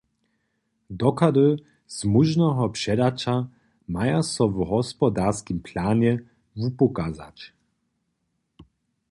Dochody z móžneho předaća maja so w hospodarskim planje wupokazać.